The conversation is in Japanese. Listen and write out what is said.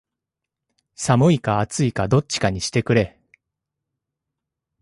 寒いか暑いかどっちかにしてくれ